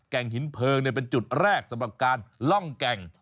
งหินเพลิงเป็นจุดแรกสำหรับการล่องแก่ง